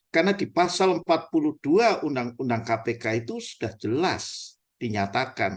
karena di pasal empat puluh dua undang undang kpk itu sudah jelas dinyatakan